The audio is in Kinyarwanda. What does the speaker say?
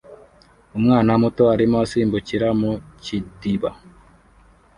Umwana muto arimo asimbukira mu kidiba